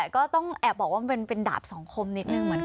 ก็ต้องบอกว่ามันเป็นดาบส่องคมนิดหนึ่ง